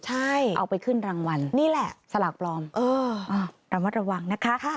ใช่เอาไปขึ้นรางวัลนี่แหละสลากปลอมระมัดระวังนะคะ